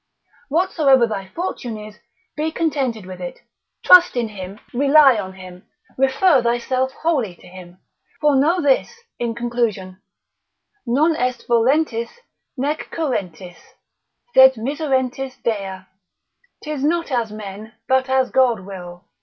Whatsoever thy fortune is, be contented with it, trust in him, rely on him, refer thyself wholly to him. For know this, in conclusion, Non est volentis nec currentis, sed miserentis Dei, 'tis not as men, but as God will.